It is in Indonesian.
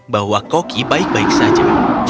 bahwa koki baik baik saja